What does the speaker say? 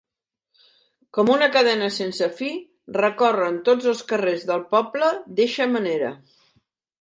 Com una cadena sense fi, recorren tots els carrers del poble d’eixa manera.